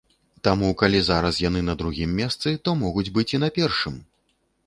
Таму, калі зараз яны на другім месцы, то могуць быць і на першым!